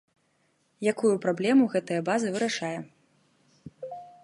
Якую праблему гэтая база вырашае.